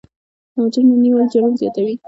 د مجرم نه نیول جرم زیاتوي.